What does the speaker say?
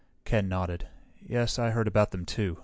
Ken nodded. "Yes, I heard about them, too."